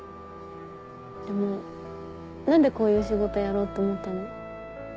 でも何でこういう仕事やろうと思ったの？